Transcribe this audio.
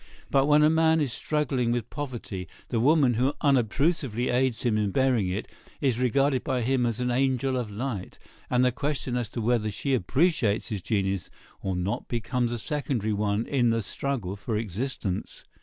But when a man is struggling with poverty, the woman who unobtrusively aids him in bearing it is regarded by him as an angel of light, and the question as to whether she appreciates his genius or not becomes a secondary one in the struggle for existence.